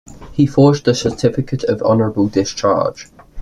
He forged a certificate of honorable discharge.